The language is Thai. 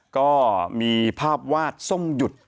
ก็มีภาพวาดส้มหยุด